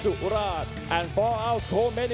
คู่กันและถูกได้